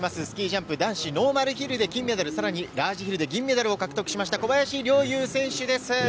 スキージャンプ男子ノーマルヒルで金メダル、さらにラージヒルで銀メダルを獲得しました小林陵侑選手です。